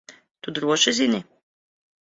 Tu droši zini?